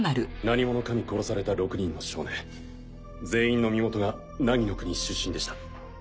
何者かに殺された６人の少年全員の身元が凪の国出身でした。